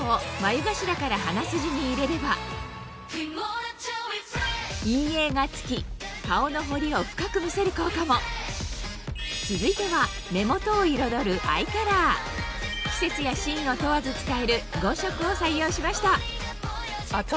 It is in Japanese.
さらに陰影が付き顔の彫りを深く見せる効果も続いては目元を彩るアイカラー季節やシーンを問わず使える５色を採用しました